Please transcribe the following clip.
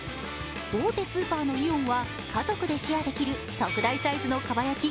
大手スーパーのイオンは家族でシェアできる特大サイズのかば焼き